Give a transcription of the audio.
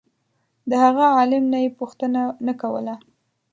د هغه عالم نه یې پوښتنه نه کوله.